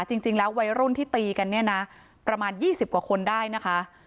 จริงจริงแล้ววัยรุ่นที่ตีกันนี้นะประมาณยี่สิบกว่าคนได้นะคะ